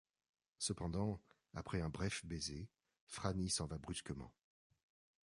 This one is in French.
Cependant, après un bref baiser, Franny s'en va brusquement.